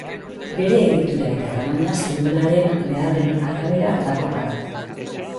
Bere egitura eta tamaina zelularen beharren arabera aldakorra da.